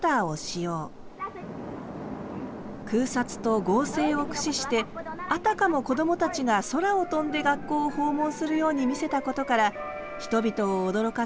空撮と合成を駆使してあたかもこどもたちが空を飛んで学校を訪問するように見せたことから人々を驚かせ大人気となります。